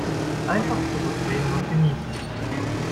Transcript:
Einfach zurücklehnen und genießen.